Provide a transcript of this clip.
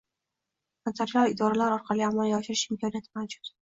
notarial idoralar orqali amalga oshirish imkoni mavjud.